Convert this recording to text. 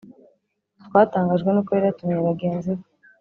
Twatangajwe n,uko yari yatumiye bagenzi be